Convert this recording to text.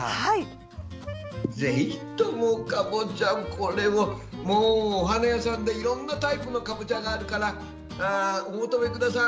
ぜひとも、かぼちゃお花屋さんでいろんなタイプのかぼちゃがあるからお求めください。